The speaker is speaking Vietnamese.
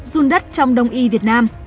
dung đất trong đông y việt nam